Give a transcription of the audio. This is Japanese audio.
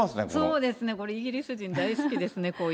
そうですね、イギリス人大好きですね、これね。